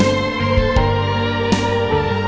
aku masih main